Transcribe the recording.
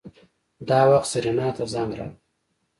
دا وخت سېرېنا ته زنګ راغی.